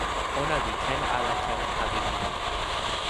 ona li ken ala ken pali e ni?